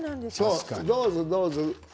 どうぞ、どうぞ。